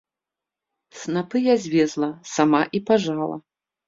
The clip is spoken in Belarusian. Снапы я звезла, сама і пажала.